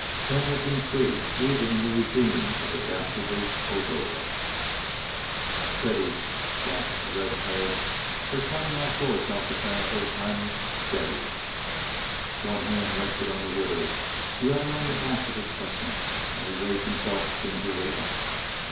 That had been true even in the regime of the dastardly Cordova. "Steady!" gasped Red Perris. "They're coming like bullets, Alcatraz, old timer! Steady!" One hand rested on the withers, the other on the back of the chestnut, and he raised himself gingerly up.